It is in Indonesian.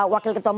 wakil ketua pbnu